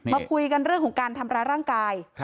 มาคุยกันเรื่องของการทำร้ายร่างกาย